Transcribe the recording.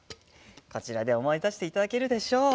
こちらで思い出していただけるでしょう。